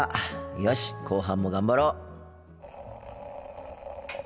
よし後半も頑張ろう。